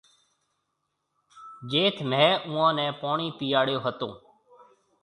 جيٿ مهيَ اُوئون نَي پوڻِي پِياڙيو هتو۔